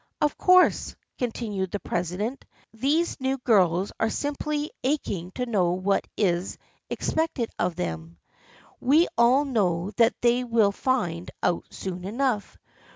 " Of course," continued the president, " these new girls are simply aching to know what is ex pected of them. We all know that they will find out soon enough.